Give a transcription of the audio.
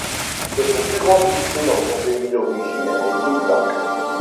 C'est son plus grand succès dans son pays d'origine, les Pays-Bas.